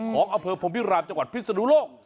ของอพพิราบจังหวัดพิษสนุนโลก